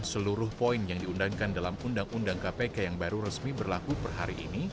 seluruh poin yang diundangkan dalam undang undang kpk yang baru resmi berlaku per hari ini